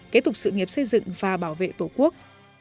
kế tục sự nghiệp xây dựng và bảo vệ tổ quốc